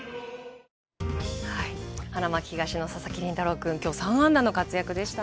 花巻東の佐々木麟太郎君きょう３安打の活躍でした。